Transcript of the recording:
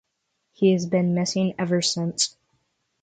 He has been missing ever since.